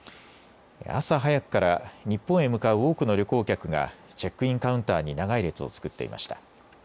朝早くから日本へ向かう多くの旅行客がチェックインカウンターに長い列を作っていました。